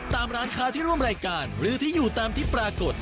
ตามร้านค้าที่ร่วมรายการหรือที่อยู่ตามที่ปรากฏ